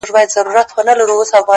ښكلي دا ستا په يو نظر كي جــادو!